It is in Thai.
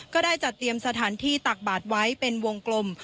ก็ได้จัดเตรียมสถานที่ตักบาทไว้เป็นวงกลม